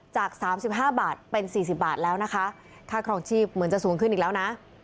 จากสามสิบห้าบาทเป็นสี่สิบบาทแล้วนะคะค่าครองชีพเหมือนจะสูงขึ้นอีกแล้วน่ะ